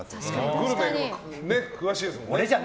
グルメに詳しいですもんね。